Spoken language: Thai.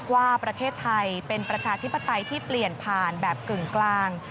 ว่าประเทศไทยเป็นประชาธิปไตยที่เปลี่ยนผ่านแบบกึ่งกลาง